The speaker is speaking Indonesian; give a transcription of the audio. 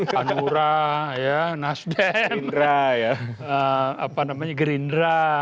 kanura nasdem gerindra